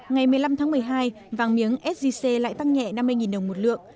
ngày một mươi năm tháng một mươi hai vàng miếng sgc lại tăng nhẹ năm mươi đồng một lượng